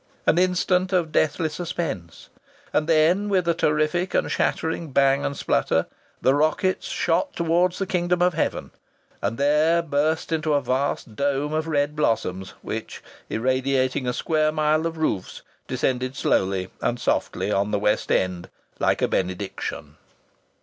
An instant of deathly suspense!... And then with a terrific and a shattering bang and splutter the rocket shot towards the kingdom of heaven and there burst into a vast dome of red blossoms which, irradiating a square mile of roofs, descended slowly and softly on the West End like a benediction.